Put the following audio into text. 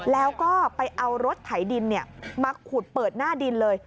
แล้วก็ไปเอารถไถดินมาขุดเปิดหน้าดินเลย